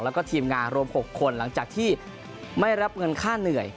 แล้วก็ทีมงานรวม๖คนหลังจากที่ไม่รับเงินค่าเหนื่อย